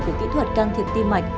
của kỹ thuật can thiệp ti mạch